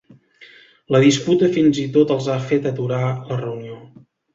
La disputa fins i tot els ha fet aturar la reunió.